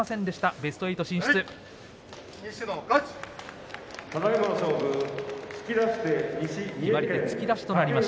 ベスト８進出です。